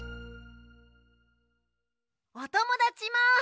おともだちも。